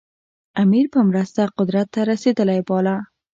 امیر په مرسته قدرت ته رسېدلی باله.